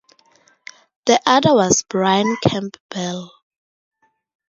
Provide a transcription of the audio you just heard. The other was Brian Campbell.